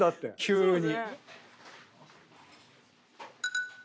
急に。